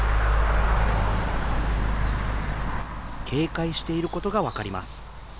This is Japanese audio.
警戒していることが分かります。